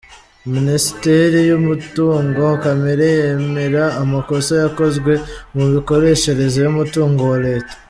Minisiteri yumutungo kamere yemera amakosa yakozwe mu mikoreshereze y’umutungo wa Leta